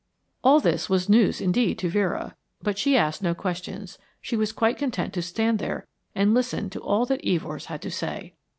All this was news indeed to Vera, but she asked no questions she was quite content to stand there and listen to all that Evors had to say.